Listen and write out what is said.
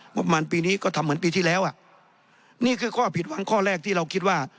ประมาณปีนี้ก็ทำเหมือนปีที่แล้วอ่ะนี่คือข้อผิดหวังข้อแรกที่เราคิดว่า